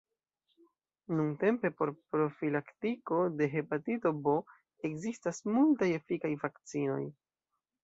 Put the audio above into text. Nuntempe por profilaktiko de hepatito B ekzistas multaj efikaj vakcinoj.